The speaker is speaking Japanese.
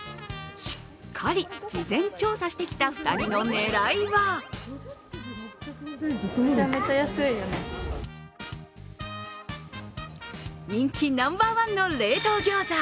しっかり事前調査してきた２人の狙いは人気ナンバーワンの冷凍ギョーザ。